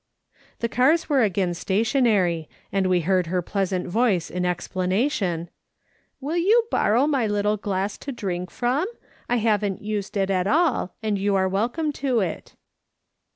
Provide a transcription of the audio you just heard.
The cars were again stationary, and we heard her pleasant voice in explanation :" Will you borrow my little glass to drink from ? I haven't used it at all, and you're welcome to it."